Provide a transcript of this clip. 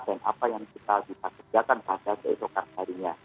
dan apa yang kita bisa sediakan pada keesokan harinya